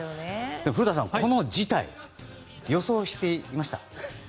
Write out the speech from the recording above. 古田さん、この事態予想していました？